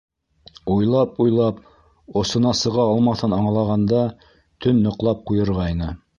Уйлап-уйлап, осона сыға алмаҫын аңлағанда төн ныҡлап ҡуйырғайны.